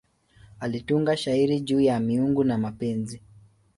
Alitunga shairi juu ya miungu na mapenzi.